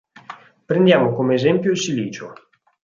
Prendiamo come esempio il silicio.